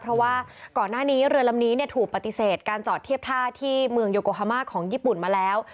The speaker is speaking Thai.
เพราะว่าก่อนหน้านี้เรือลำนี้ถูกปฏิเสธการจอดเทียบท่าที่เมืองโยโกฮามาของญี่ปุ่นมาแล้ว